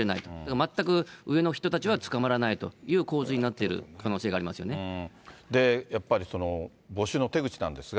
全く上の人たちは捕まらないという構図になっている可能性がありやっぱり募集の手口なんですが。